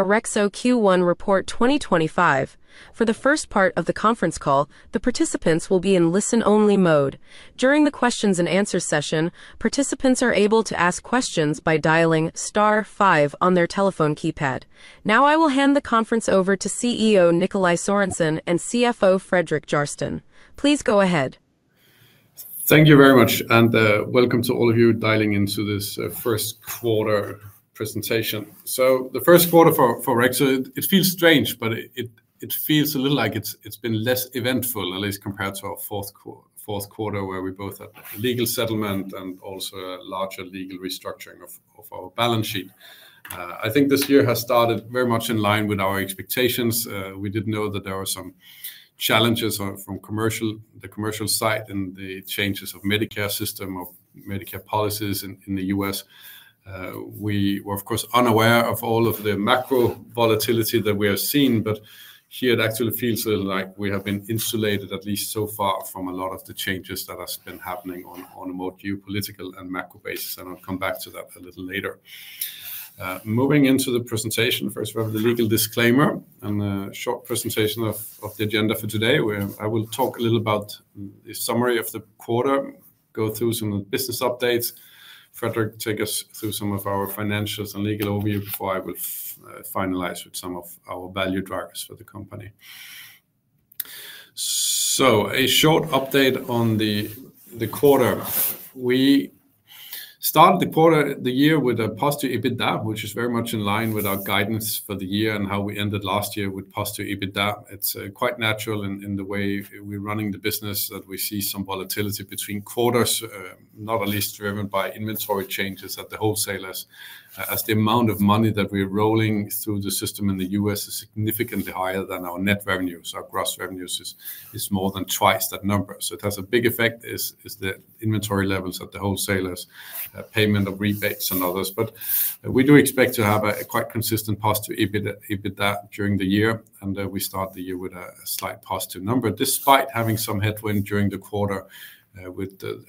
Orexo Q1 report 2025. For the first part of the conference call, the participants will be in listen-only mode. During the questions and answer session, participants are able to ask questions by dialing star five on their telephone keypad. Now I will hand the conference over to CEO Nikolaj Sørensen and CFO Fredrik Järrsten. Please go ahead. Thank you very much, and welcome to all of you dialing into this first quarter presentation. The first quarter for Orexo, it feels strange, but it feels a little like it has been less eventful, at least compared to our fourth quarter, where we both had a legal settlement and also a larger legal restructuring of our balance sheet. I think this year has started very much in line with our expectations. We did know that there were some challenges from the commercial side and the changes of the Medicare system, of Medicare policies in the U.S. We were, of course, unaware of all of the macro volatility that we have seen, but here it actually feels a little like we have been insulated, at least so far, from a lot of the changes that have been happening on a more geopolitical and macro basis. I will come back to that a little later. Moving into the presentation, first, we have the legal disclaimer and a short presentation of the agenda for today, where I will talk a little about the summary of the quarter, go through some of the business updates, Fredrik will take us through some of our financials and legal overview before I will finalize with some of our value drivers for the company. A short update on the quarter. We started the quarter of the year with a positive EBITDA, which is very much in line with our guidance for the year and how we ended last year with positive EBITDA. It is quite natural in the way we are running the business that we see some volatility between quarters, not at least driven by inventory changes at the wholesalers, as the amount of money that we are rolling through the system in the U.S. is significantly higher than our net revenues. Our gross revenues is more than twice that number. It has a big effect on the inventory levels at the wholesalers, payment of rebates, and others. We do expect to have a quite consistent positive EBITDA during the year, and we start the year with a slight positive number, despite having some headwind during the quarter.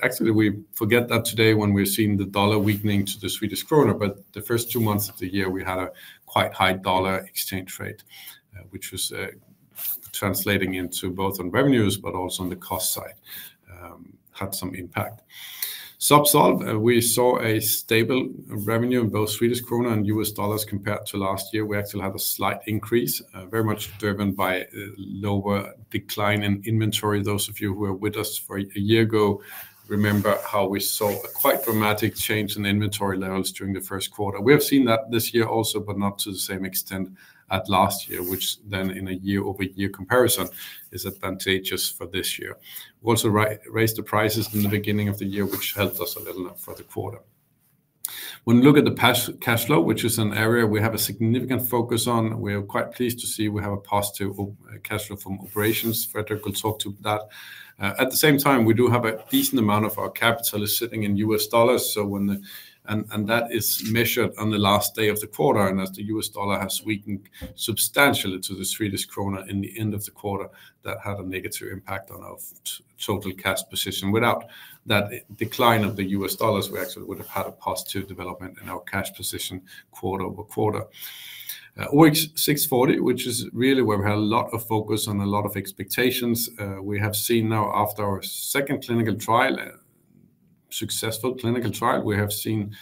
Actually, we forget that today when we're seeing the dollar weakening to the Swedish krona, but the first two months of the year, we had a quite high dollar exchange rate, which was translating into both on revenues, but also on the cost side, had some impact. Zubsolv, we saw a stable revenue in both Swedish krona and U.S. dollars compared to last year. We actually had a slight increase, very much driven by a lower decline in inventory. Those of you who were with us a year ago remember how we saw a quite dramatic change in the inventory levels during the first quarter. We have seen that this year also, but not to the same extent as last year, which then in a year-over-year comparison is advantageous for this year. We also raised the prices in the beginning of the year, which helped us a little for the quarter. When we look at the cash flow, which is an area we have a significant focus on, we are quite pleased to see we have a positive cash flow from operations. Fredrik will talk to that. At the same time, we do have a decent amount of our capital sitting in U.S. dollars, and that is measured on the last day of the quarter. As the U.S. dollar has weakened substantially to the Swedish krona in the end of the quarter, that had a negative impact on our total cash position. Without that decline of the U.S. dollars, we actually would have had a positive development in our cash position quarter-over-quarter. OX640, which is really where we had a lot of focus and a lot of expectations. We have seen now, after our second clinical trial, successful clinical trial, we have seen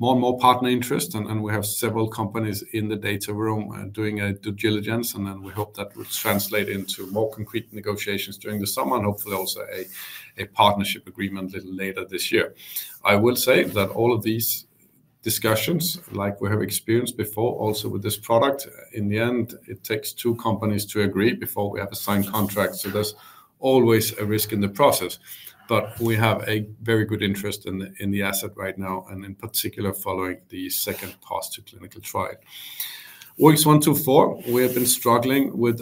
more and more partner interest, and we have several companies in the data room doing their due diligence. We hope that will translate into more concrete negotiations during the summer and hopefully also a partnership agreement a little later this year. I will say that all of these discussions, like we have experienced before, also with this product, in the end, it takes two companies to agree before we have a signed contract. There is always a risk in the process, but we have a very good interest in the asset right now, and in particular following the second positive clinical trial. OX124, we have been struggling with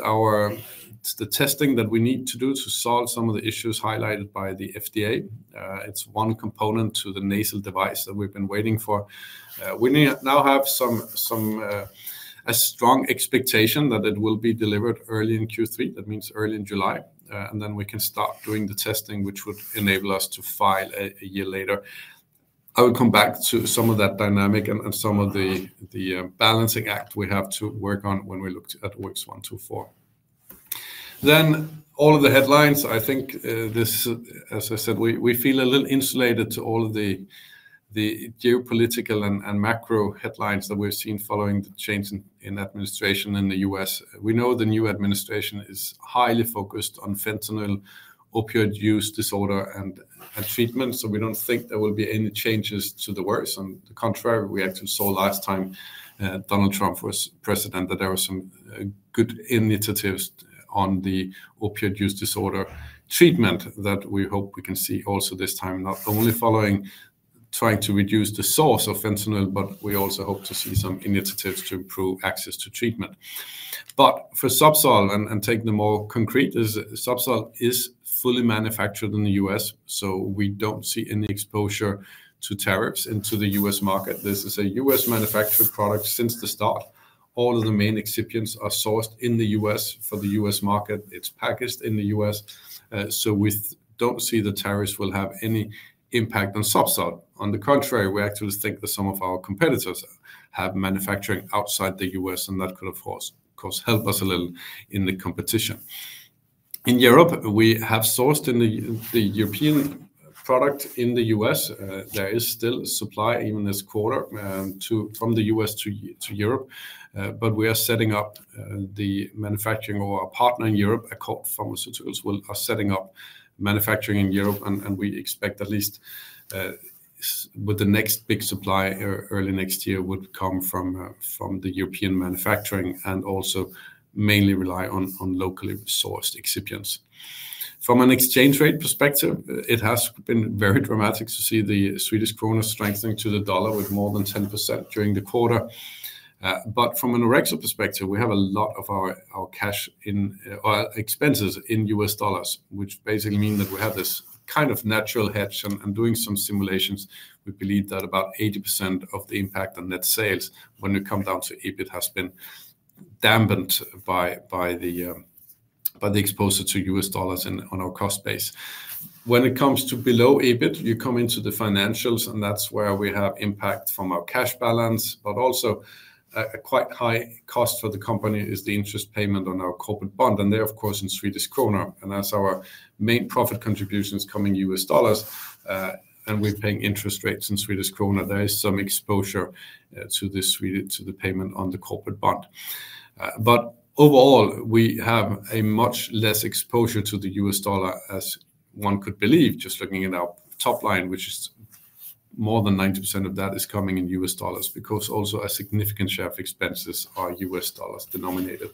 the testing that we need to do to solve some of the issues highlighted by the FDA. It's one component to the nasal device that we've been waiting for. We now have a strong expectation that it will be delivered early in Q3, that means early in July, and then we can start doing the testing, which would enable us to file a year later. I will come back to some of that dynamic and some of the balancing act we have to work on when we look at OX 124. All of the headlines. I think, as I said, we feel a little insulated to all of the geopolitical and macro headlines that we've seen following the change in administration in the U.S. We know the new administration is highly focused on fentanyl, opioid use disorder, and treatment, so we don't think there will be any changes to the worse. On the contrary, we actually saw last time Donald Trump was president that there were some good initiatives on the opioid use disorder treatment that we hope we can see also this time, not only following trying to reduce the source of fentanyl, but we also hope to see some initiatives to improve access to treatment. For Zubsolv, and taking the more concrete, Zubsolv is fully manufactured in the U.S., so we do not see any exposure to tariffs into the U.S. market. This is a U.S.-manufactured product since the start. All of the main excipients are sourced in the U.S. for the U.S. market. It is packaged in the U.S., so we do not see the tariffs will have any impact on Zubsolv. On the contrary, we actually think that some of our competitors have manufacturing outside the U.S., and that could, of course, help us a little in the competition. In Europe, we have sourced the European product in the U.S. There is still supply even this quarter from the U.S. to Europe, but we are setting up the manufacturing or our partner in Europe, Accord Pharmaceuticals, are setting up manufacturing in Europe, and we expect at least with the next big supply early next year would come from the European manufacturing and also mainly rely on locally sourced excipients. From an exchange rate perspective, it has been very dramatic to see the Swedish krona strengthening to the dollar with more than 10% during the quarter. From an Orexo perspective, we have a lot of our cash expenses in U.S. dollars, which basically means that we have this kind of natural hedge, and doing some simulations, we believe that about 80% of the impact on net sales when it comes down to EBIT has been dampened by the exposure to U.S. dollars on our cost base. When it comes to below EBIT, you come into the financials, and that's where we have impact from our cash balance, but also a quite high cost for the company is the interest payment on our corporate bond, and there, of course, in Swedish krona. As our main profit contribution is coming U.S. dollars and we're paying interest rates in Swedish krona, there is some exposure to the payment on the corporate bond. Overall, we have a much less exposure to the U.S. dollar as one could believe, just looking at our top line, which is more than 90% of that is coming in U.S. dollars because also a significant share of expenses are U.S. dollars denominated.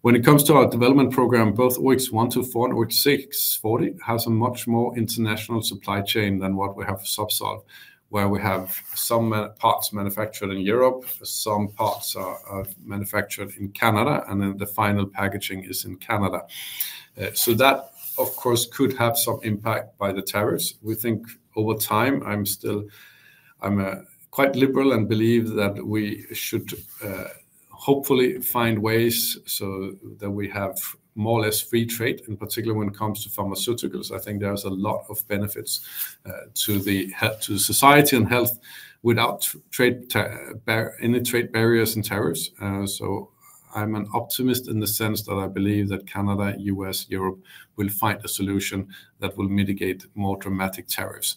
When it comes to our development program, both OX124 and OX640 have a much more international supply chain than what we have at Zubsolv, where we have some parts manufactured in Europe, some parts are manufactured in Canada, and then the final packaging is in Canada. That, of course, could have some impact by the tariffs. We think over time, I'm quite liberal and believe that we should hopefully find ways so that we have more or less free trade, in particular when it comes to pharmaceuticals. I think there are a lot of benefits to society and health without any trade barriers and tariffs. I'm an optimist in the sense that I believe that Canada, U.S., Europe will find a solution that will mitigate more dramatic tariffs.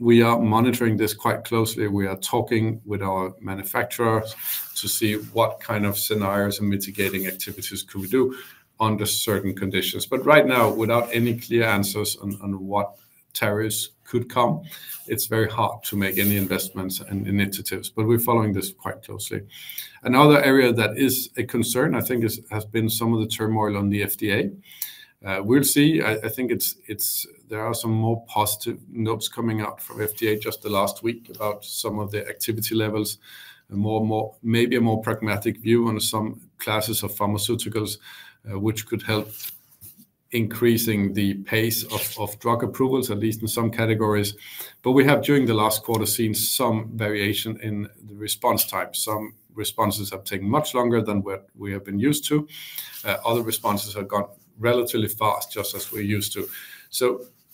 We are monitoring this quite closely. We are talking with our manufacturers to see what kind of scenarios and mitigating activities could we do under certain conditions. Right now, without any clear answers on what tariffs could come, it's very hard to make any investments and initiatives, but we're following this quite closely. Another area that is a concern, I think, has been some of the turmoil on the FDA. We'll see. I think there are some more positive notes coming out from FDA just the last week about some of the activity levels, maybe a more pragmatic view on some classes of pharmaceuticals, which could help increasing the pace of drug approvals, at least in some categories. We have, during the last quarter, seen some variation in the response time. Some responses have taken much longer than what we have been used to. Other responses have gone relatively fast, just as we're used to.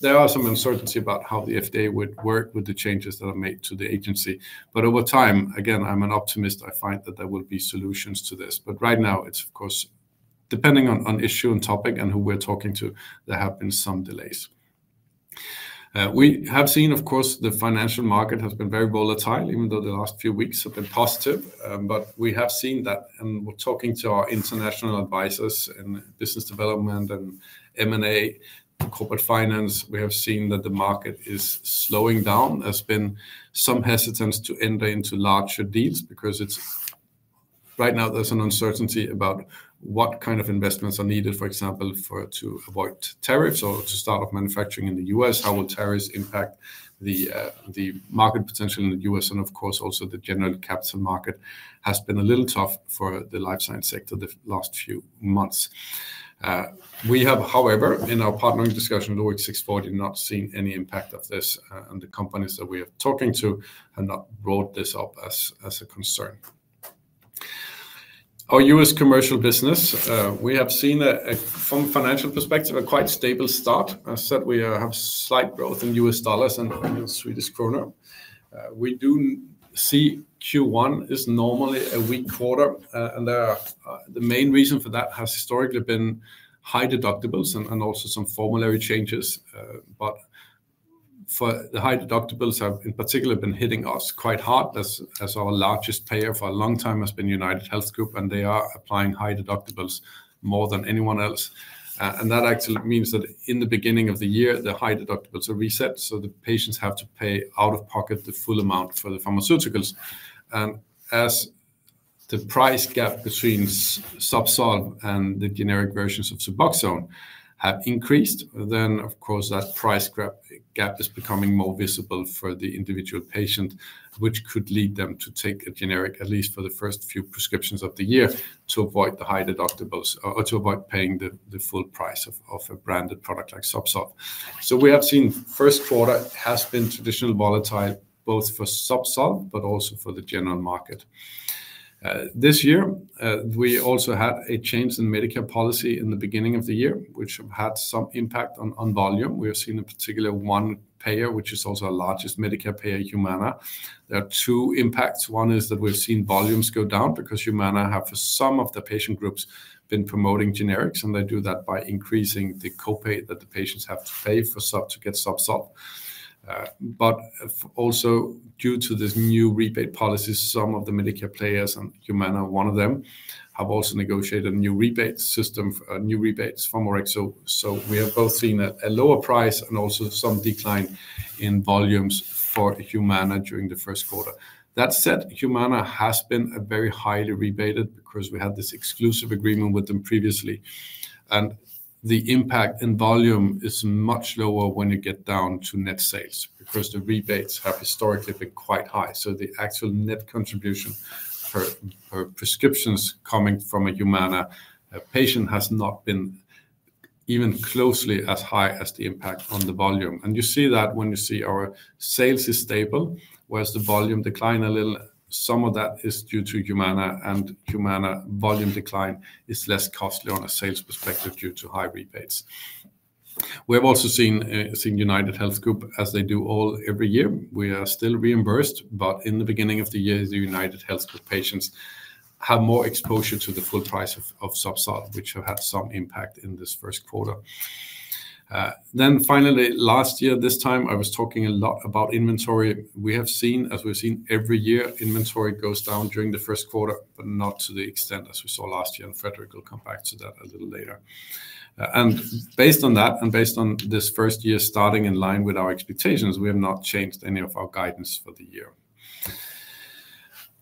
There are some uncertainties about how the FDA would work with the changes that are made to the agency. Over time, again, I'm an optimist. I find that there will be solutions to this. Right now, it's, of course, depending on issue and topic and who we're talking to, there have been some delays. We have seen, of course, the financial market has been very volatile, even though the last few weeks have been positive. We have seen that, and we're talking to our international advisors in business development and M&A, corporate finance, we have seen that the market is slowing down. There's been some hesitance to enter into larger deals because right now there's an uncertainty about what kind of investments are needed, for example, to avoid tariffs or to start off manufacturing in the U.S. How will tariffs impact the market potential in the U.S.? Of course, also the general caps and market has been a little tough for the life science sector the last few months. We have, however, in our partnering discussion, OX640, not seen any impact of this, and the companies that we are talking to have not brought this up as a concern. Our U.S. commercial business, we have seen from a financial perspective a quite stable start. As I said, we have slight growth in U.S. dollars and Swedish krona. We do see Q1 is normally a weak quarter, and the main reason for that has historically been high deductibles and also some formulary changes. The high deductibles have in particular been hitting us quite hard as our largest payer for a long time has been UnitedHealth Group, and they are applying high deductibles more than anyone else. That actually means that in the beginning of the year, the high deductibles are reset, so the patients have to pay out of pocket the full amount for the pharmaceuticals. As the price gap between Zubsolv and the generic versions of Suboxone have increased, that price gap is becoming more visible for the individual patient, which could lead them to take a generic, at least for the first few prescriptions of the year, to avoid the high deductibles or to avoid paying the full price of a branded product like Zubsolv. We have seen the first quarter has been traditionally volatile both for Zubsolv but also for the general market. This year, we also had a change in Medicare policy in the beginning of the year, which had some impact on volume. We have seen in particular one payer, which is also our largest Medicare payer, Humana. There are two impacts. One is that we've seen volumes go down because Humana have for some of the patient groups been promoting generics, and they do that by increasing the copay that the patients have to pay for to get Zubsolv. Also, due to this new rebate policy, some of the Medicare players, and Humana one of them, have also negotiated a new rebate system for new rebates from Orexo. We have both seen a lower price and also some decline in volumes for Humana during the first quarter. That said, Humana has been very highly rebated because we had this exclusive agreement with them previously. The impact in volume is much lower when you get down to net sales because the rebates have historically been quite high. The actual net contribution for prescriptions coming from a Humana patient has not been even closely as high as the impact on the volume. You see that when you see our sales is stable, whereas the volume decline a little, some of that is due to Humana, and Humana volume decline is less costly on a sales perspective due to high rebates. We have also seen UnitedHealth Group, as they do all every year, we are still reimbursed, but in the beginning of the year, the UnitedHealth Group patients have more exposure to the full price of Zubsolv, which have had some impact in this first quarter. Finally, last year, this time, I was talking a lot about inventory. We have seen, as we've seen every year, inventory goes down during the first quarter, but not to the extent as we saw last year, and Fredrik will come back to that a little later. Based on that, and based on this first year starting in line with our expectations, we have not changed any of our guidance for the year.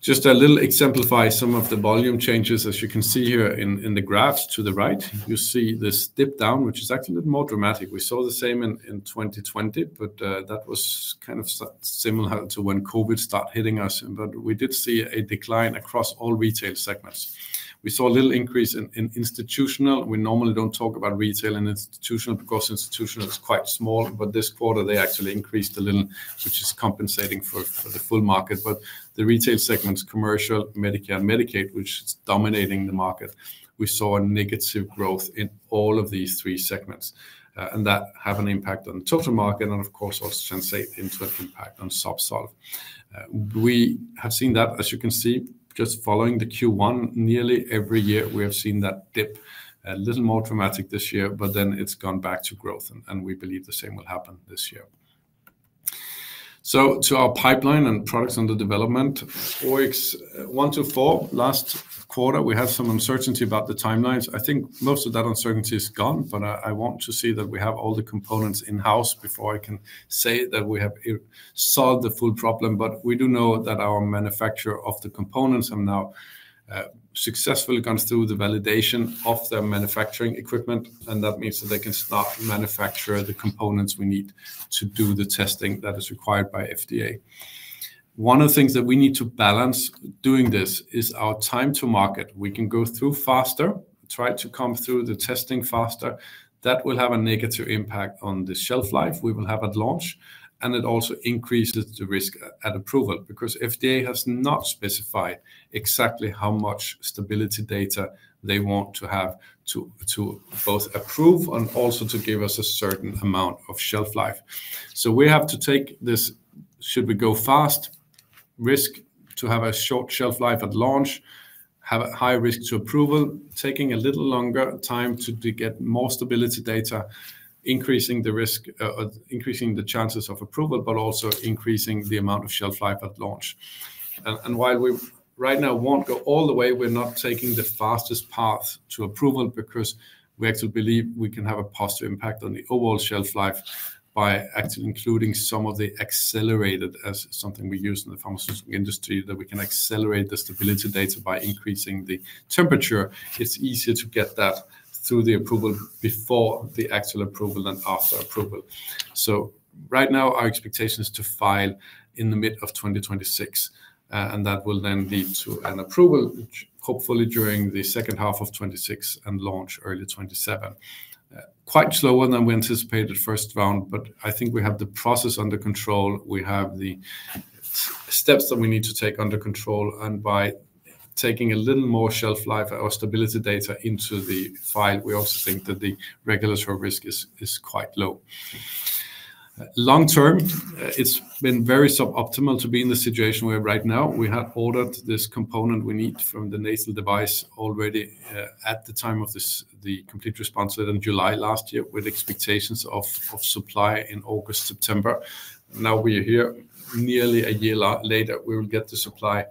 Just to a little exemplify some of the volume changes, as you can see here in the graphs to the right, you see this dip down, which is actually a little more dramatic. We saw the same in 2020, but that was kind of similar to when COVID started hitting us, but we did see a decline across all retail segments. We saw a little increase in institutional. We normally don't talk about retail and institutional because institutional is quite small, but this quarter, they actually increased a little, which is compensating for the full market. The retail segments, commercial, Medicare, and Medicaid, which is dominating the market, we saw a negative growth in all of these three segments, and that has an impact on the total market and, of course, also translates into an impact on Zubsolv. We have seen that, as you can see, just following the Q1, nearly every year, we have seen that dip, a little more dramatic this year, but then it's gone back to growth, and we believe the same will happen this year. To our pipeline and products under development, OX124, last quarter, we had some uncertainty about the timelines. I think most of that uncertainty is gone, but I want to see that we have all the components in-house before I can say that we have solved the full problem. We do know that our manufacturer of the components has now successfully gone through the validation of their manufacturing equipment, and that means that they can start manufacturing the components we need to do the testing that is required by FDA. One of the things that we need to balance doing this is our time to market. We can go through faster, try to come through the testing faster. That will have a negative impact on the shelf life we will have at launch, and it also increases the risk at approval because FDA has not specified exactly how much stability data they want to have to both approve and also to give us a certain amount of shelf life. We have to take this, should we go fast, risk to have a short shelf life at launch, have a high risk to approval, taking a little longer time to get more stability data, increasing the risk, increasing the chances of approval, but also increasing the amount of shelf life at launch. While we right now will not go all the way, we are not taking the fastest path to approval because we actually believe we can have a positive impact on the overall shelf life by actually including some of the accelerated, as something we use in the pharmaceutical industry, that we can accelerate the stability data by increasing the temperature. It is easier to get that through the approval before the actual approval than after approval. Right now, our expectation is to file in the middle of 2026, and that will then lead to an approval, hopefully during the second half of 2026 and launch early 2027. Quite slower than we anticipated first round, but I think we have the process under control. We have the steps that we need to take under control, and by taking a little more shelf life or stability data into the file, we also think that the regulatory risk is quite low. Long term, it's been very suboptimal to be in the situation where right now we have ordered this component we need from the nasal device already at the time of the complete response in July last year with expectations of supply in August, September. Now we are here nearly a year later. We will get the supply.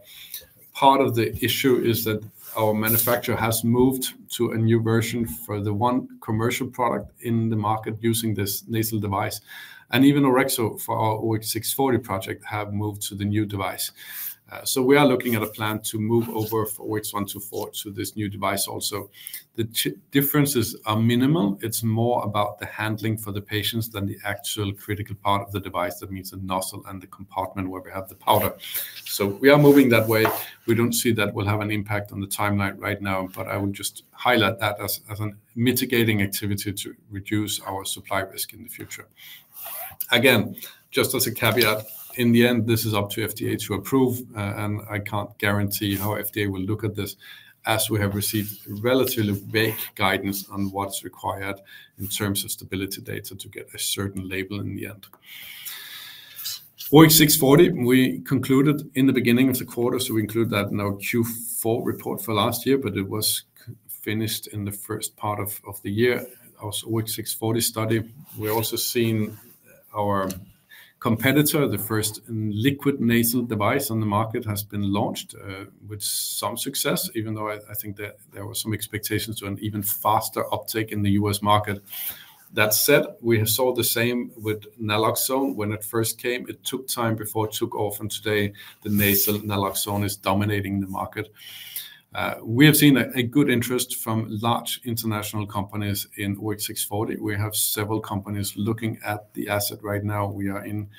Part of the issue is that our manufacturer has moved to a new version for the one commercial product in the market using this nasal device. And even Orexo for our OX640 project have moved to the new device. We are looking at a plan to move over for OX124 to this new device also. The differences are minimal. It's more about the handling for the patients than the actual critical part of the device, that means the nozzle and the compartment where we have the powder. We are moving that way. We don't see that will have an impact on the timeline right now, but I will just highlight that as a mitigating activity to reduce our supply risk in the future. Again, just as a caveat, in the end, this is up to FDA to approve, and I can't guarantee how FDA will look at this as we have received relatively vague guidance on what's required in terms of stability data to get a certain label in the end. OX640, we concluded in the beginning of the quarter, so we include that in our Q4 report for last year, but it was finished in the first part of the year. It was OX640 study. We're also seeing our competitor, the first liquid nasal device on the market, has been launched with some success, even though I think there were some expectations to an even faster uptake in the U.S. market. That said, we saw the same with Naloxone. When it first came, it took time before it took off, and today the nasal Naloxone is dominating the market. We have seen a good interest from large international companies in OX640. We have several companies looking at the asset right now. We are in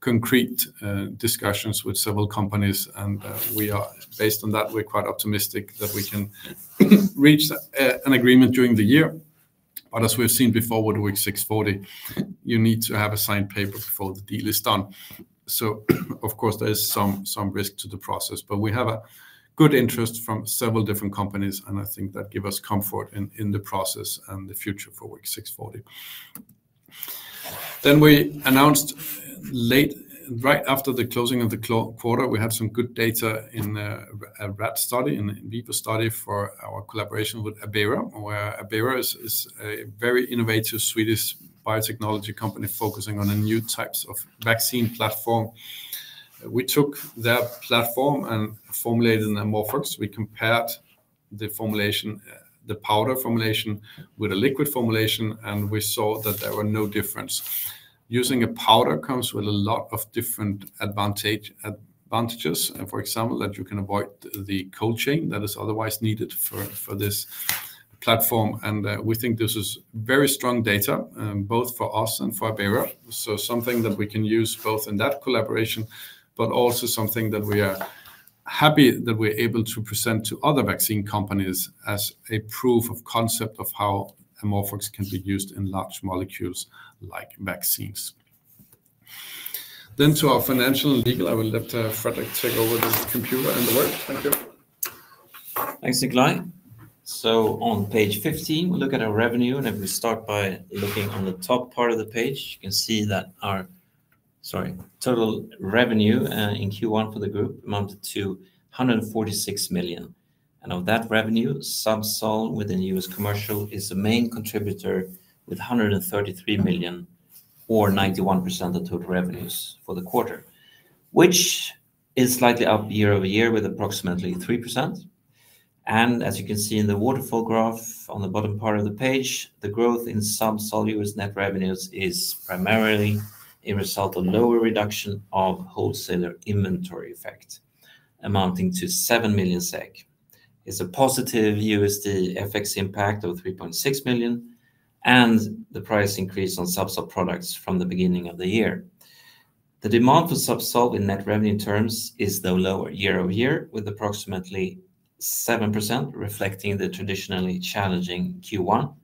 concrete discussions with several companies, and based on that, we're quite optimistic that we can reach an agreement during the year. As we've seen before with OX640, you need to have a signed paper before the deal is done. Of course, there is some risk to the process, but we have a good interest from several different companies, and I think that gives us comfort in the process and the future for OX640. We announced late right after the closing of the quarter, we had some good data in a rat study, in a VIPA study for our collaboration with Abera, where Abera is a very innovative Swedish biotechnology company focusing on a new type of vaccine platform. We took their platform and formulated an AmorphOX. We compared the formulation, the powder formulation with a liquid formulation, and we saw that there were no difference. Using a powder comes with a lot of different advantages, for example, that you can avoid the cold chain that is otherwise needed for this platform. We think this is very strong data both for us and for Abera. Something that we can use both in that collaboration, but also something that we are happy that we are able to present to other vaccine companies as a proof of concept of how AmorphOX can be used in large molecules like vaccines. To our financial and legal, I will let Fredrik take over the computer and the work. Thank you. Thanks, Nikolaj. On page 15, we look at our revenue, and if we start by looking on the top part of the page, you can see that our, sorry, total revenue in Q1 for the group amounted to 146 million. Of that revenue, Zubsolv within U.S. commercial is the main contributor with 133 million or 91% of total revenues for the quarter, which is slightly up year-over-year with approximately 3%. As you can see in the waterfall graph on the bottom part of the page, the growth in Zubsolv U.S. net revenues is primarily a result of lower reduction of wholesaler inventory effect, amounting to 7 million SEK. It is a positive USD FX impact of 3.6 million, and the price increase on Zubsolv products from the beginning of the year. The demand for Zubsolv in net revenue terms is no lower year-over-year, with approximately 7% reflecting the traditionally challenging Q1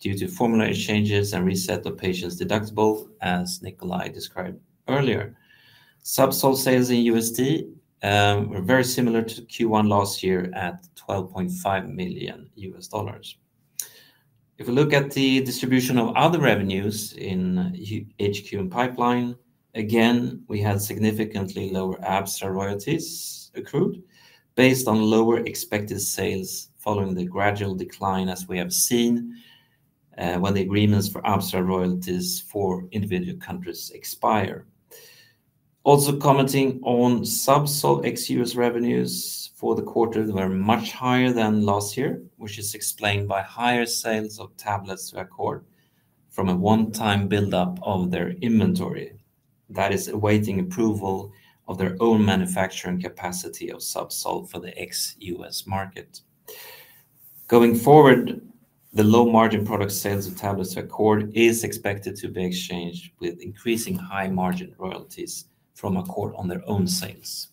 due to formulation changes and reset of patients' deductible, as Nikolaj described earlier. Zubsolv sales in USD were very similar to Q1 last year at $12.5 million. If we look at the distribution of other revenues in HQ and pipeline, again, we had significantly lower Abstral royalties accrued based on lower expected sales following the gradual decline as we have seen when the agreements for Abstral royalties for individual countries expire. Also commenting on Zubsolv ex-U.S. revenues for the quarter, they were much higher than last year, which is explained by higher sales of tablets to Accord from a one-time buildup of their inventory that is awaiting approval of their own manufacturing capacity of Zubsolv for the ex-U.S. market. Going forward, the low-margin product sales of tablets to Accord is expected to be exchanged with increasing high-margin royalties from Accord on their own sales.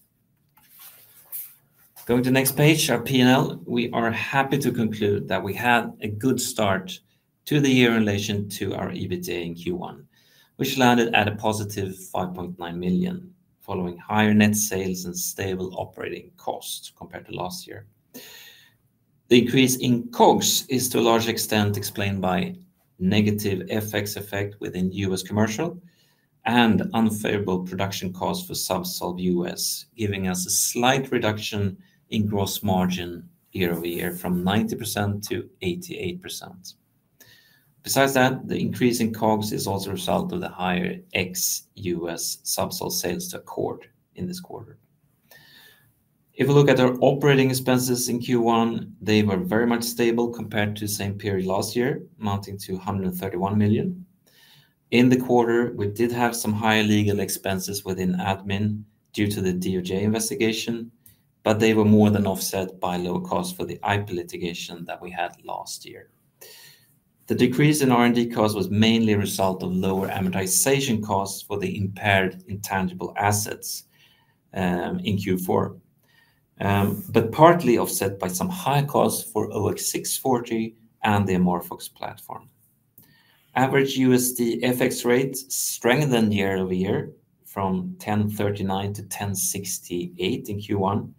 Going to the next page, our P&L, we are happy to conclude that we had a good start to the year in relation to our EBITDA in Q1, which landed at a positive 5.9 million following higher net sales and stable operating costs compared to last year. The increase in COGS is to a large extent explained by negative FX effect within U.S. commercial and unfavorable production costs for Zubsolv U.S., giving us a slight reduction in gross margin year-over-year from 90% to 88%. Besides that, the increase in COGS is also a result of the higher ex-U.S. Zubsolv sales to Accord in this quarter. If we look at our operating expenses in Q1, they were very much stable compared to the same period last year, amounting to 131 million. In the quarter, we did have some higher legal expenses within admin due to the DOJ investigation, but they were more than offset by low costs for the IPA litigation that we had last year. The decrease in R&D costs was mainly a result of lower amortization costs for the impaired intangible assets in Q4, but partly offset by some higher costs for OX640 and the AmorphOX platform. Average USD FX rate strengthened year-over-year from 10.39 to 10.68 in Q1.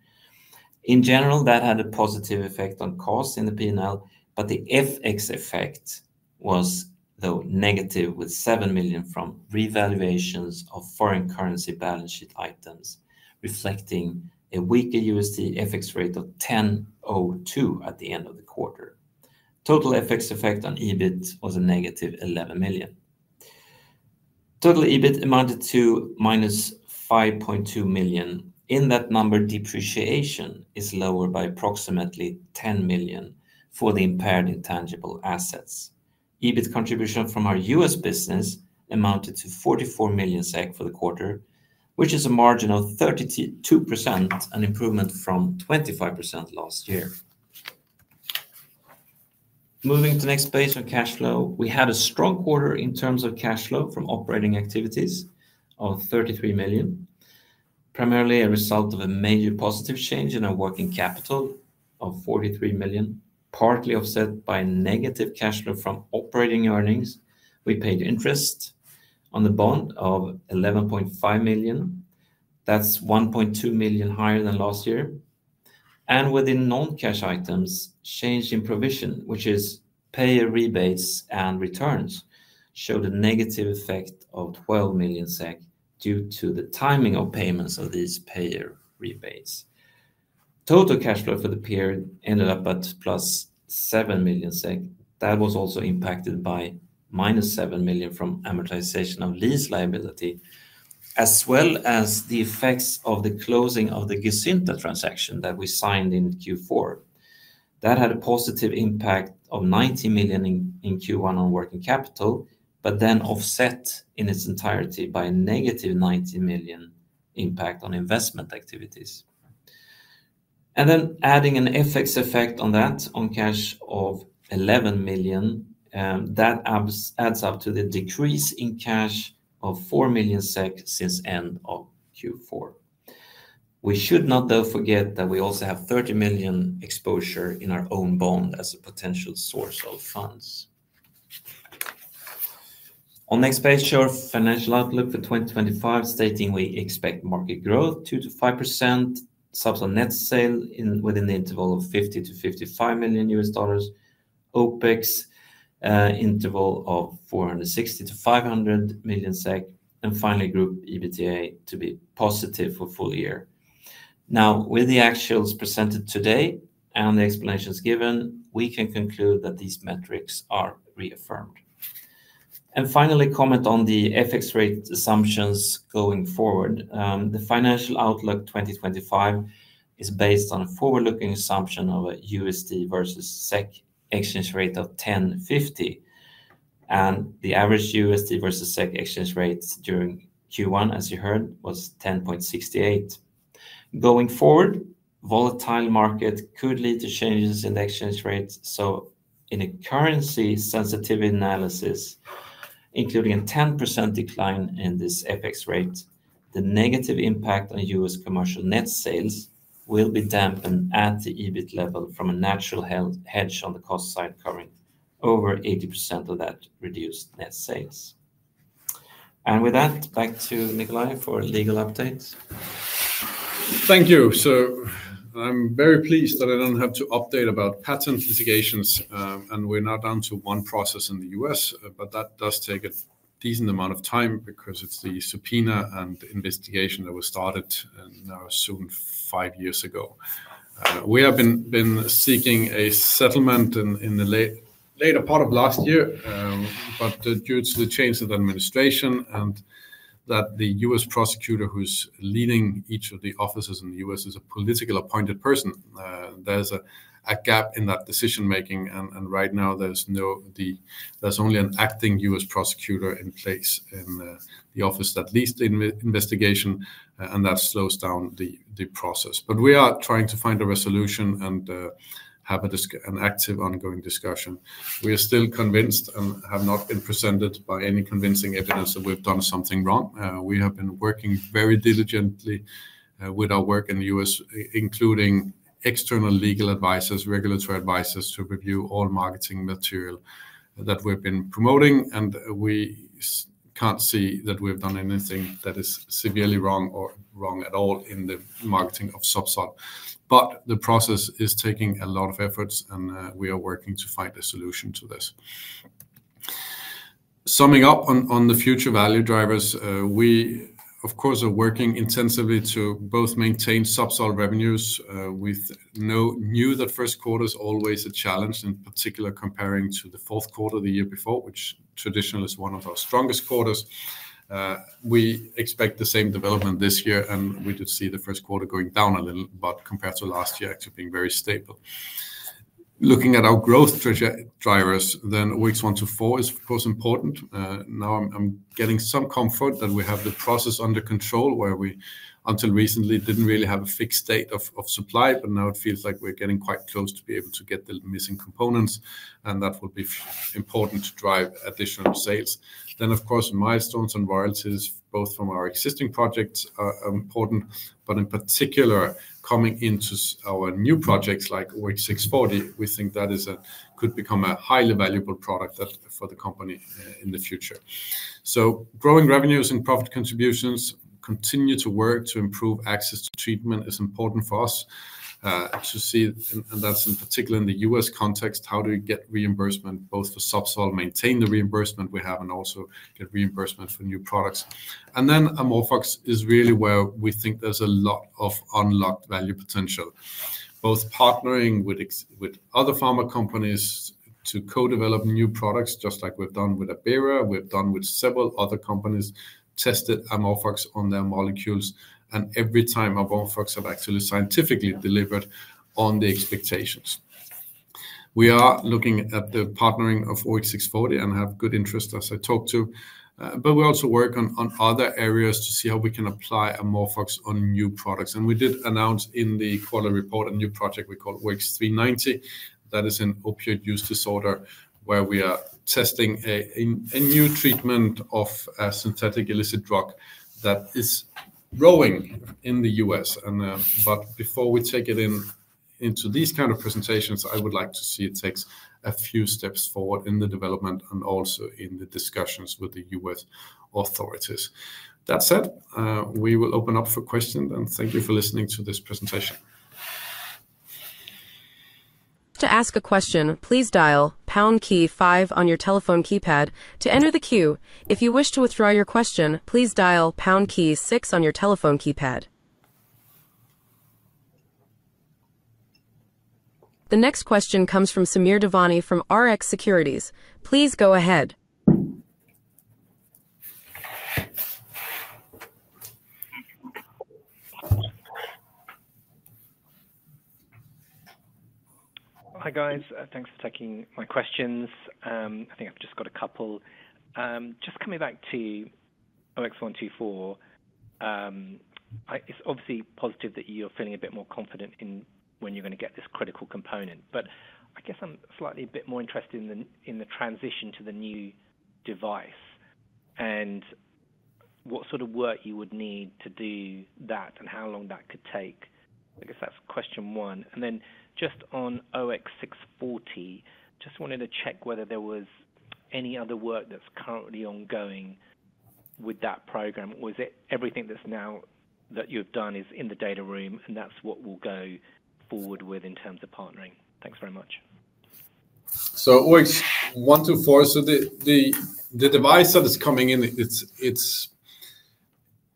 In general, that had a positive effect on costs in the P&L, but the FX effect was though negative with 7 million from revaluations of foreign currency balance sheet items, reflecting a weaker USD FX rate of 10.02 at the end of the quarter. Total FX effect on EBIT was a negative 11 million. Total EBIT amounted to minus 5.2 million. In that number, depreciation is lower by approximately 10 million for the impaired intangible assets. EBIT contribution from our U.S. business amounted to 44 million SEK for the quarter, which is a margin of 32%, an improvement from 25% last year. Moving to the next page on cash flow, we had a strong quarter in terms of cash flow from operating activities of 33 million, primarily a result of a major positive change in our working capital of 43 million, partly offset by negative cash flow from operating earnings. We paid interest on the bond of 11.5 million. That is 1.2 million higher than last year. Within non-cash items, change in provision, which is payer rebates and returns, showed a negative effect of 12 million SEK due to the timing of payments of these payer rebates. Total cash flow for the period ended up at plus 7 million SEK. That was also impacted by minus 7 million from amortization of lease liability, as well as the effects of the closing of the Gesynta transaction that we signed in Q4. That had a positive impact of 90 million in Q1 on working capital, but then offset in its entirety by a negative 90 million impact on investment activities. Adding an FX effect on that, on cash of 11 million, that adds up to the decrease in cash of 4 million SEK since the end of Q4. We should not, though, forget that we also have 30 million exposure in our own bond as a potential source of funds. On the next page, your financial outlook for 2025, stating we expect market growth 2%-5%, Zubsolv net sale within the interval of $50 million-$55 million. OpEx interval of 460-500 million SEK, and finally group EBITDA to be positive for full year. Now, with the actuals presented today and the explanations given, we can conclude that these metrics are reaffirmed. Finally, comment on the FX rate assumptions going forward. The financial outlook 2025 is based on a forward-looking assumption of a USD versus SEK exchange rate of 10.50, and the average USD versus SEK exchange rate during Q1, as you heard, was 10.68. Going forward, volatile market could lead to changes in exchange rates. In a currency sensitivity analysis, including a 10% decline in this FX rate, the negative impact on U.S. commercial net sales will be dampened at the EBIT level from a natural hedge on the cost side covering over 80% of that reduced net sales. With that, back to Nikolaj for a legal update. Thank you. I'm very pleased that I don't have to update about patent litigations, and we're now down to one process in the U.S., but that does take a decent amount of time because it's the subpoena and investigation that was started now soon five years ago. We have been seeking a settlement in the later part of last year, but due to the change of the administration and that the U.S. prosecutor who's leading each of the offices in the U.S. is a politically appointed person, there's a gap in that decision-making. Right now, there's only an acting U.S. prosecutor in place in the office that leads the investigation, and that slows down the process. We are trying to find a resolution and have an active ongoing discussion. We are still convinced and have not been presented by any convincing evidence that we've done something wrong. We have been working very diligently with our work in the U.S., including external legal advisors, regulatory advisors to review all marketing material that we've been promoting. We can't see that we've done anything that is severely wrong or wrong at all in the marketing of Zubsolv. The process is taking a lot of efforts, and we are working to find a solution to this. Summing up on the future value drivers, we, of course, are working intensively to both maintain Zubsolv revenues with no new. The first quarter is always a challenge, in particular comparing to the fourth quarter of the year before, which traditionally is one of our strongest quarters. We expect the same development this year, and we did see the first quarter going down a little, but compared to last year, actually being very stable. Looking at our growth drivers, weeks one to four is, of course, important. Now I'm getting some comfort that we have the process under control, where we until recently didn't really have a fixed state of supply, but now it feels like we're getting quite close to be able to get the missing components, and that will be important to drive additional sales. Milestones and royalties, both from our existing projects, are important, but in particular coming into our new projects like OX640, we think that could become a highly valuable product for the company in the future. Growing revenues and profit contributions continue to work to improve access to treatment is important for us to see, and that's in particular in the U.S. context, how do we get reimbursement both for Zubsolv, maintain the reimbursement we have, and also get reimbursement for new products. AmorphOX is really where we think there's a lot of unlocked value potential, both partnering with other pharma companies to co-develop new products, just like we've done with Abera. We've done with several other companies, tested AmorphOX on their molecules, and every time AmorphOX have actually scientifically delivered on the expectations. We are looking at the partnering of OX640 and have good interest as I talk to, but we also work on other areas to see how we can apply AmorphOX on new products. We did announce in the quarter report a new project we call OX390. That is an opioid use disorder where we are testing a new treatment of a synthetic illicit drug that is growing in the U.S. Before we take it into these kind of presentations, I would like to see it takes a few steps forward in the development and also in the discussions with the U.S. authorities. That said, we will open up for questions, and thank you for listening to this presentation. To ask a question, please dial pound key five on your telephone keypad to enter the queue. If you wish to withdraw your question, please dial pound key six on your telephone keypad. The next question comes from Samir Devani from Rx Securities. Please go ahead. Hi guys, thanks for taking my questions. I think I've just got a couple. Just coming back to OX124, it's obviously positive that you're feeling a bit more confident in when you're going to get this critical component, but I guess I'm slightly a bit more interested in the transition to the new device and what sort of work you would need to do that and how long that could take. I guess that's question one. Then just on OX640, just wanted to check whether there was any other work that's currently ongoing with that program. Was it everything that's now that you've done is in the data room and that's what we'll go forward with in terms of partnering? Thanks very much. OX124, so the device that is coming in,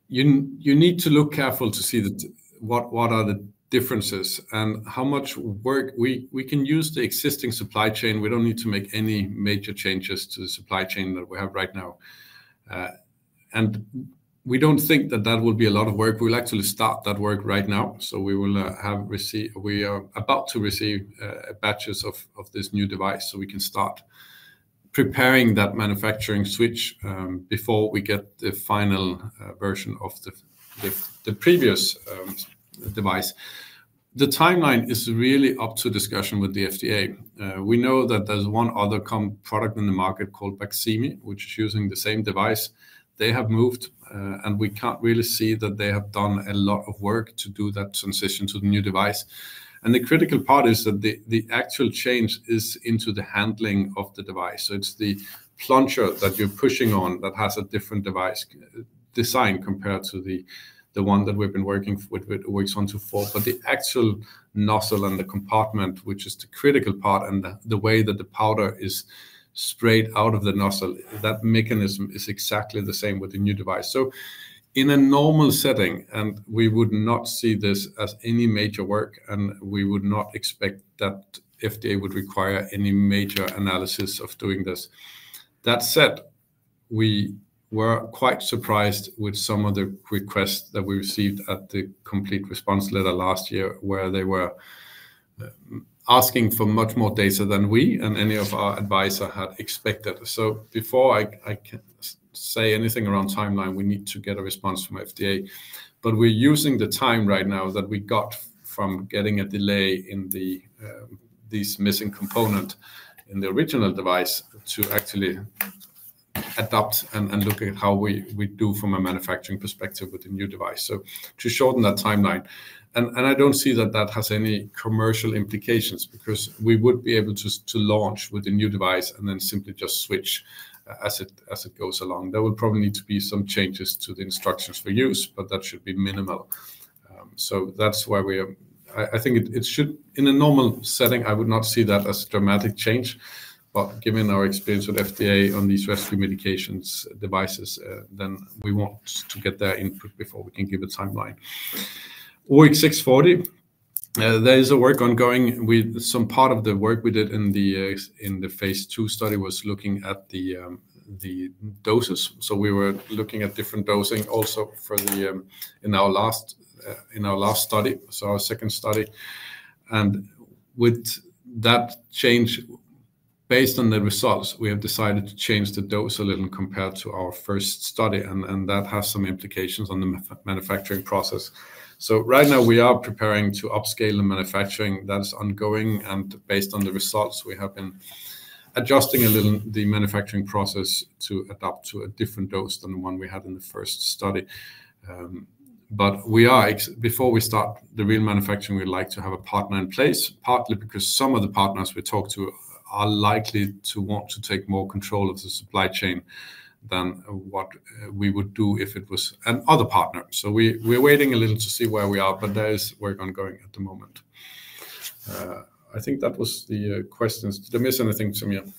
you need to look careful to see what are the differences and how much work we can use the existing supply chain. We do not need to make any major changes to the supply chain that we have right now. We do not think that that will be a lot of work. We will actually start that work right now. We will have received, we are about to receive batches of this new device so we can start preparing that manufacturing switch before we get the final version of the previous device. The timeline is really up to discussion with the FDA. We know that there is one other product in the market called Baqsimi, which is using the same device. They have moved and we cannot really see that they have done a lot of work to do that transition to the new device. The critical part is that the actual change is into the handling of the device. It's the plunger that you're pushing on that has a different device design compared to the one that we've been working with OX124, but the actual nozzle and the compartment, which is the critical part and the way that the powder is sprayed out of the nozzle, that mechanism is exactly the same with the new device. In a normal setting, we would not see this as any major work and we would not expect that FDA would require any major analysis of doing this. That said, we were quite surprised with some of the requests that we received at the complete response letter last year where they were asking for much more data than we and any of our advisor had expected. Before I can say anything around timeline, we need to get a response from FDA, but we're using the time right now that we got from getting a delay in these missing components in the original device to actually adapt and look at how we do from a manufacturing perspective with the new device. To shorten that timeline, and I don't see that that has any commercial implications because we would be able to launch with the new device and then simply just switch as it goes along. There will probably need to be some changes to the instructions for use, but that should be minimal. That is why we are, I think it should, in a normal setting, I would not see that as a dramatic change, but given our experience with FDA on these rescue medication devices, we want to get their input before we can give a timeline. OX640, there is work ongoing with some part of the work we did in the phase two study looking at the doses. We were looking at different dosing also in our last study, our second study. With that change, based on the results, we have decided to change the dose a little compared to our first study, and that has some implications on the manufacturing process. Right now we are preparing to upscale the manufacturing that is ongoing, and based on the results, we have been adjusting a little the manufacturing process to adapt to a different dose than the one we had in the first study. We are, before we start the real manufacturing, we'd like to have a partner in place, partly because some of the partners we talk to are likely to want to take more control of the supply chain than what we would do if it was another partner. We are waiting a little to see where we are, but there is work ongoing at the moment. I think that was the questions. Did I miss anything, Samir?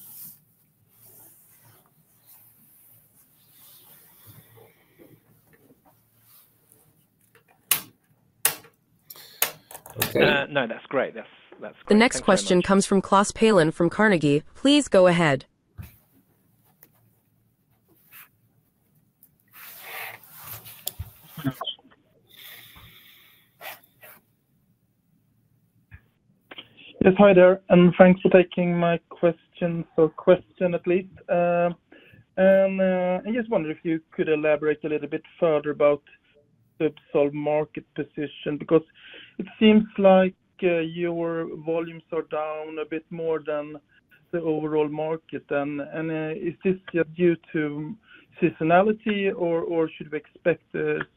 Okay. No, that's great. That's great. The next question comes from Klas Palin from Carnegie. Please go ahead. Yes, hi there, and thanks for taking my question. So question at least. I just wonder if you could elaborate a little bit further about the market position because it seems like your volumes are down a bit more than the overall market. Is this just due to seasonality or should we expect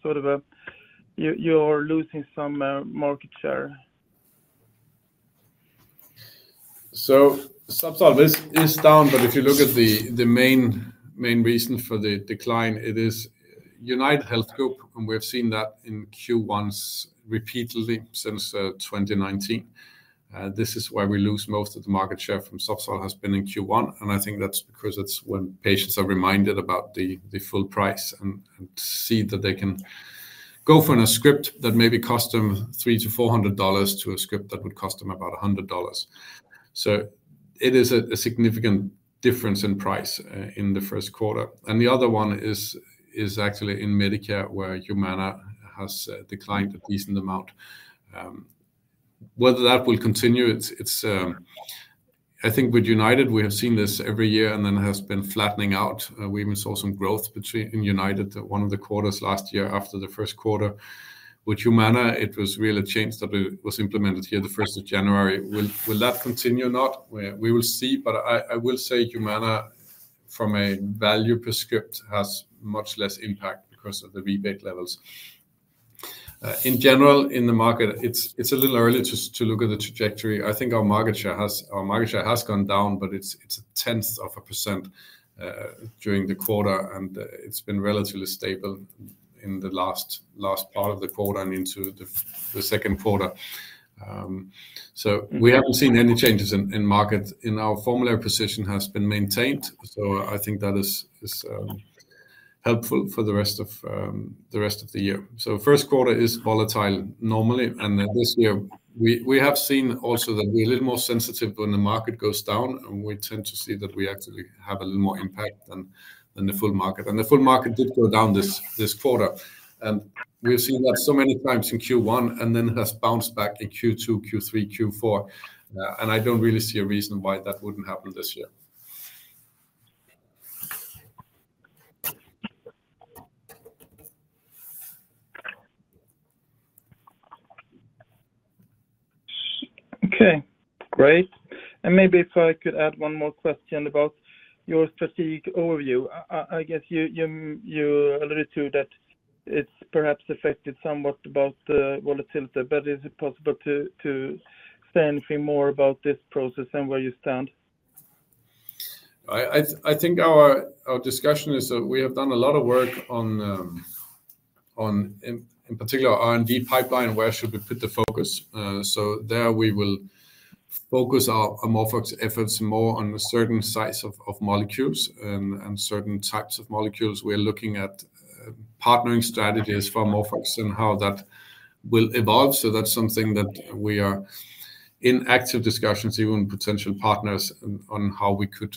sort of a, you're losing some market share? Zubsolv is down, but if you look at the main reason for the decline, it is UnitedHealth Group, and we've seen that in Q1s repeatedly since 2019. This is why we lose most of the market share from Zubsolv has been in Q1, and I think that's because it's when patients are reminded about the full price and see that they can go for a script that maybe costs them $300-$400 to a script that would cost them about $100. It is a significant difference in price in the first quarter. The other one is actually in Medicare where Humana has declined a decent amount. Whether that will continue, I think with United, we have seen this every year and then it has been flattening out. We even saw some growth in United one of the quarters last year after the first quarter. With Humana, it was really a change that was implemented here the first of January. Will that continue or not? We will see, but I will say Humana from a value prescript has much less impact because of the rebate levels. In general, in the market, it is a little early to look at the trajectory. I think our market share has gone down, but it is a tenth of a percent during the quarter, and it has been relatively stable in the last part of the quarter and into the second quarter. We have not seen any changes in market. Our formulary position has been maintained, so I think that is helpful for the rest of the year. First quarter is volatile normally, and this year we have seen also that we're a little more sensitive when the market goes down, and we tend to see that we actually have a little more impact than the full market. The full market did go down this quarter, and we've seen that so many times in Q1 and then has bounced back in Q2, Q3, Q4. I do not really see a reason why that would not happen this year. Okay, great. Maybe if I could add one more question about your strategic overview. I guess you alluded to that it's perhaps affected somewhat by the volatility, but is it possible to say anything more about this process and where you stand? I think our discussion is that we have done a lot of work on, in particular, R&D pipeline, where should we put the focus. There we will focus our AmorphOX efforts more on certain sites of molecules and certain types of molecules. We are looking at partnering strategies for AmorphOX and how that will evolve. That is something that we are in active discussions, even potential partners, on how we could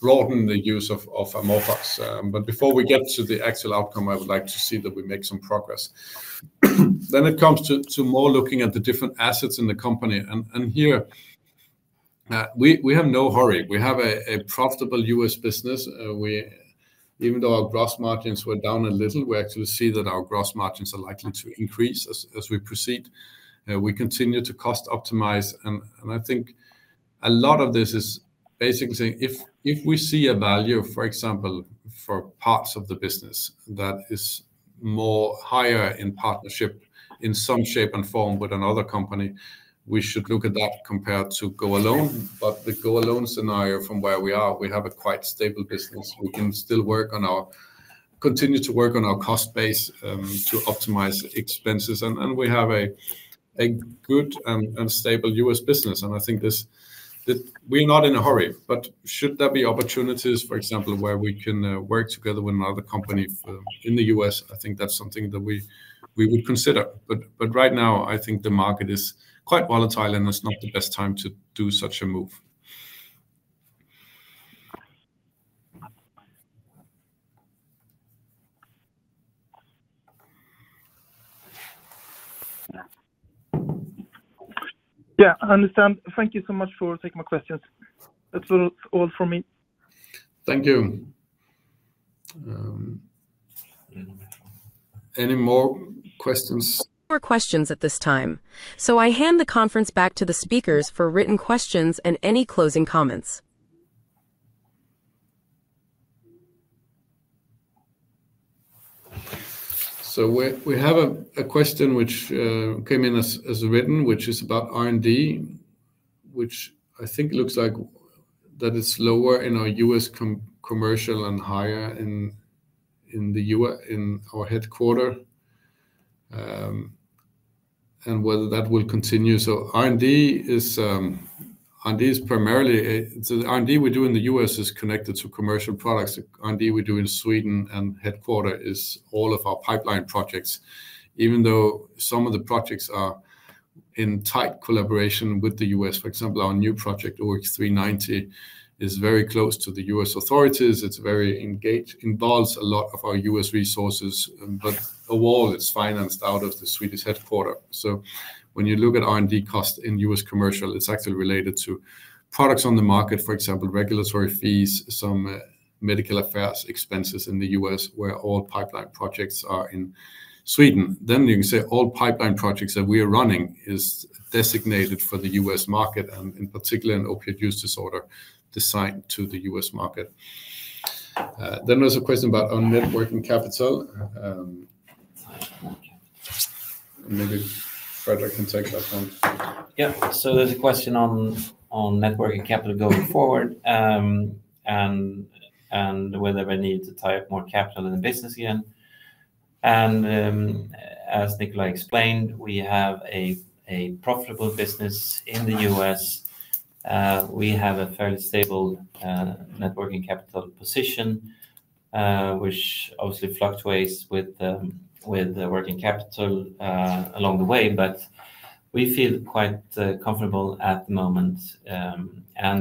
broaden the use of AmorphOX. Before we get to the actual outcome, I would like to see that we make some progress. It comes to more looking at the different assets in the company. Here, we have no hurry. We have a profitable U.S. business. Even though our gross margins were down a little, we actually see that our gross margins are likely to increase as we proceed. We continue to cost optimize, and I think a lot of this is basically saying if we see a value, for example, for parts of the business that is higher in partnership in some shape and form with another company, we should look at that compared to go alone. The go alone scenario from where we are, we have a quite stable business. We can still work on our, continue to work on our cost base to optimize expenses, and we have a good and stable U.S. business. I think we're not in a hurry, but should there be opportunities, for example, where we can work together with another company in the U.S., I think that's something that we would consider. Right now, I think the market is quite volatile, and it's not the best time to do such a move. Yeah, I understand. Thank you so much for taking my questions. That's all from me. Thank you. Any more questions? More questions at this time. I hand the conference back to the speakers for written questions and any closing comments. We have a question which came in as written, which is about R&D, which I think looks like that it's lower in our U.S. commercial and higher in our headquarter and whether that will continue. R&D is primarily, so the R&D we do in the U.S. is connected to commercial products. R&D we do in Sweden and headquarter is all of our pipeline projects. Even though some of the projects are in tight collaboration with the U.S., for example, our new project OX390 is very close to the U.S. authorities. It's very engaged, involves a lot of our U.S. resources, but overall it's financed out of the Swedish headquarter. When you look at R&D cost in U.S. commercial, it's actually related to products on the market, for example, regulatory fees, some medical affairs expenses in the U.S. where all pipeline projects are in Sweden. You can say all pipeline projects that we are running is designated for the U.S. market and in particular an opioid use disorder designed to the U.S. market. There's a question about our networking capital. Maybe Fredrik can take that one. Yeah, there's a question on networking capital going forward and whether we need to tie up more capital in the business again. As Nikolaj explained, we have a profitable business in the U.S. We have a fairly stable networking capital position, which obviously fluctuates with the working capital along the way, but we feel quite comfortable at the moment.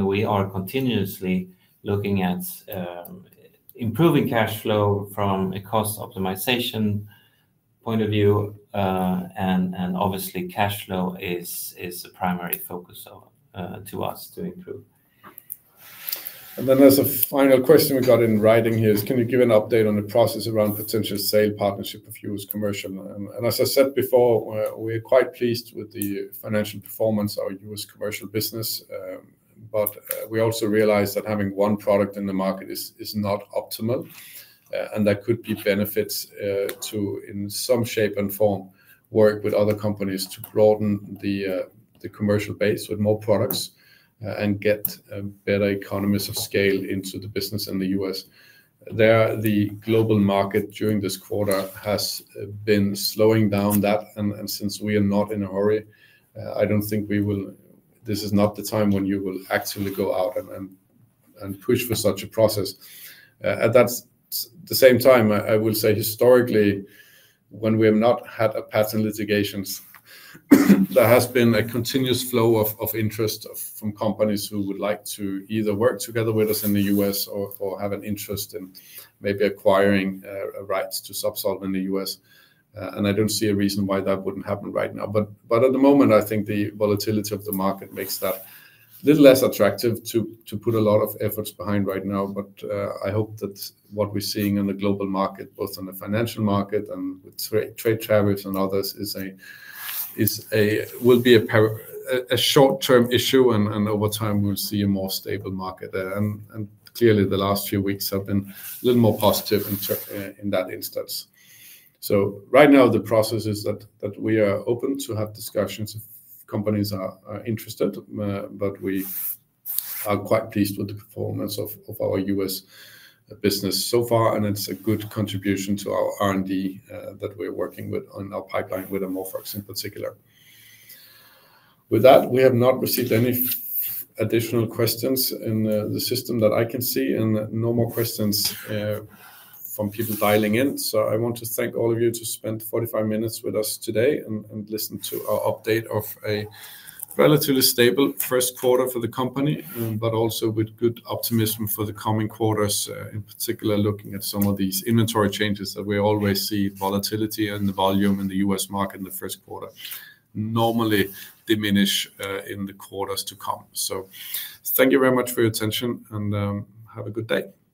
We are continuously looking at improving cash flow from a cost optimization point of view, and obviously cash flow is the primary focus to us to improve. There is a final question we got in writing here. Can you give an update on the process around potential sale partnership of U.S. commercial? As I said before, we are quite pleased with the financial performance of our U.S. commercial business, but we also realize that having one product in the market is not optimal, and there could be benefits to, in some shape and form, work with other companies to broaden the commercial base with more products and get better economies of scale into the business in the U.S. The global market during this quarter has been slowing down, and since we are not in a hurry, I do not think we will, this is not the time when you will actually go out and push for such a process. At the same time, I will say historically, when we have not had a patent litigation, there has been a continuous flow of interest from companies who would like to either work together with us in the U.S. or have an interest in maybe acquiring rights to Zubsolv in the U.S. I do not see a reason why that would not happen right now. At the moment, I think the volatility of the market makes that a little less attractive to put a lot of efforts behind right now. I hope that what we're seeing on the global market, both on the financial market and with trade tariffs and others, will be a short-term issue, and over time we'll see a more stable market. Clearly, the last few weeks have been a little more positive in that instance. Right now, the process is that we are open to have discussions if companies are interested, but we are quite pleased with the performance of our U.S. business so far, and it's a good contribution to our R&D that we're working with on our pipeline with AmorphOX in particular. With that, we have not received any additional questions in the system that I can see, and no more questions from people dialing in. I want to thank all of you for spending 45 minutes with us today and listening to our update of a relatively stable first quarter for the company, but also with good optimism for the coming quarters, in particular looking at some of these inventory changes that we always see. Volatility and the volume in the U.S. market in the first quarter normally diminish in the quarters to come. Thank you very much for your attention, and have a good day. Bye.